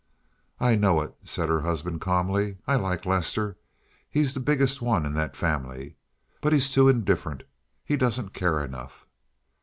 "I know it," said her husband calmly. "I like Lester. He's the biggest one in that family. But he's too indifferent. He doesn't care enough."